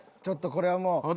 ちょっとこれはもう。